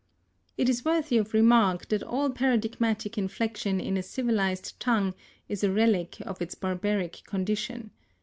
It is worthy of remark that all paradigmatic inflection in a civilized tongue is a relic of its barbaric condition.